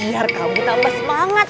biar kamu tambah semangat